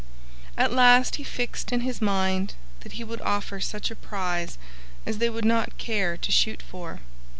At last he fixed in his mind that he would offer such a prize as they would not care to shoot for.